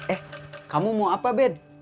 eh kamu mau apa bed